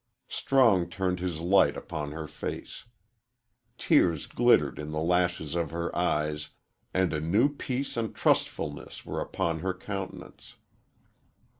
Strong turned his light upon her face. Tears glittered in the lashes of her eyes and a new peace and trustfulness were upon her countenance.